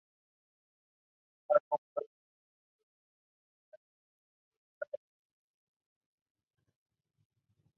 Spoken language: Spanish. Tanto hombres como mujeres complementan la pintura con diseños en ese y espirales.